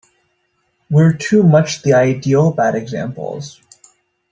We're too much the ideal bad examples.